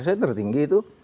saya tertinggi itu